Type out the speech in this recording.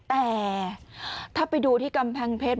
แต่ถ้าไปดูที่กำแพงเพชร